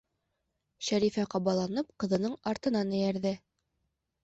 Шәрифә ҡабаланып ҡыҙының артынан эйәрҙе.